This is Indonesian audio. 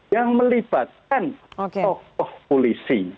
yang melibatkan tokoh polisi